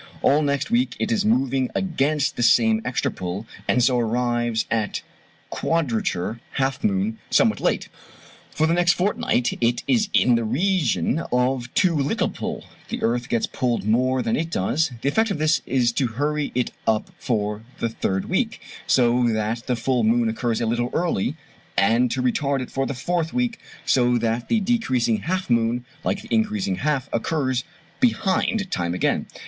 All next week it is moving against the same extra pull, and so arrives at quadrature (half moon) somewhat late. For the next fortnight it is in the region of too little pull, the earth gets pulled more than it does; the effect of this is to hurry it up for the third week, so that the full moon occurs a little early, and to retard it for the fourth week, so that the decreasing half moon like the increasing half occurs behind time again.